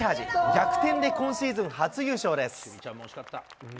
逆転で今シーズン初優勝です。